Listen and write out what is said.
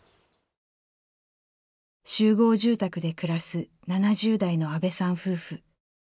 集合住宅で暮らす７０代の安部さん夫婦。